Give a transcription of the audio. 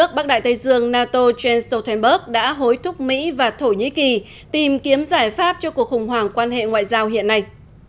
bắc đại tây dương nato jens stoltenberg đã hối thúc mỹ và thổ nhĩ kỳ tìm kiếm giải pháp cho cuộc khủng hoảng quan hệ ngoại giao hiện nay